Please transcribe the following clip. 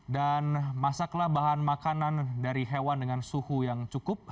dan masaklah bahan makanan dari hewan dengan suhu yang cukup